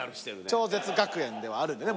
超絶学園ではあるんでね